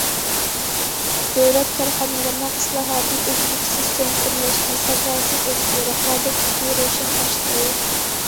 دۆلەت كارخانىلىرىنىڭ ئىسلاھاتى ئۈزلۈكسىز چوڭقۇرلاشتى، ساپاسى ئۆستى، رىقابەت كۈچى روشەن ئاشتى.